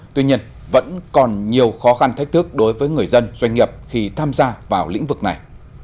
tuy nhiên vẫn còn nhiều khó khăn thách thức đối với người dân doanh nghiệp khi tham gia vào lĩnh vực này